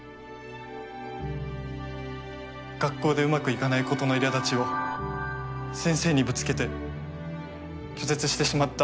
・学校でうまくいかないことのいらだちを先生にぶつけて拒絶してしまった。